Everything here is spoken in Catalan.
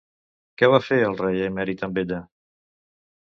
Què va fer el rei emèrit amb ella?